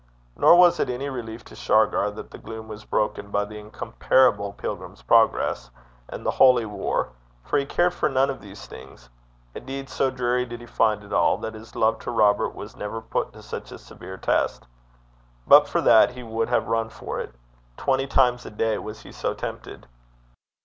Nor was it any relief to Shargar that the gloom was broken by the incomparable Pilgrim's Progress and the Holy War, for he cared for none of these things. Indeed, so dreary did he find it all, that his love to Robert was never put to such a severe test. But for that, he would have run for it. Twenty times a day was he so tempted.